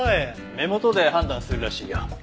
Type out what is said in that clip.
目元で判断するらしいよ。